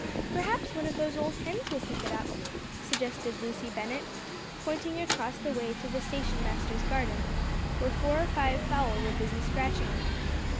"Perhaps one of those old hens will pick it up," suggested Lucy Bennett, pointing across the way to the station master's garden, where four or five fowl were busily scratching.